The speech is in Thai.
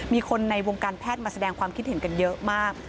มีคนในวงการแพทย์มาแสดงความคิดเห็นกันเยอะมาก